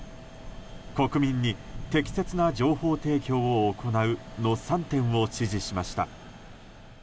国民に適切な情報提供を行うの３点を指示しました。